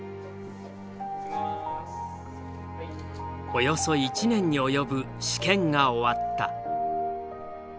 およそ１年に及ぶ試験が終わった。